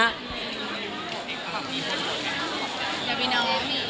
อยากมีน้องอยากมี